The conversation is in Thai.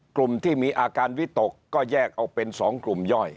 กลุ่มที่มีอาการวิตกก็แยกออกเป็น๒กลุ่มย่อย